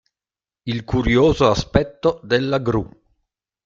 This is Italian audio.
Il curioso aspetto della gru.